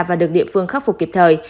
và được địa phương khắc phục kịp thời